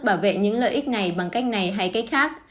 bảo vệ những lợi ích này bằng cách này hay cách khác